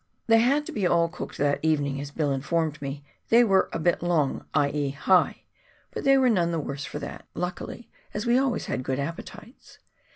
They had to be all cooked that evening, as Bill informed me they were a *' bit long "— i.e. high — but they were none the worse for that, luckily, as we always had good appetites.